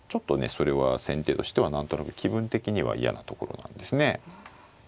それは先手としては何となく気分的には嫌なところなんですね。